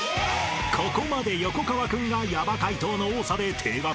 ［ここまで横川君がヤバ解答の多さで停学争い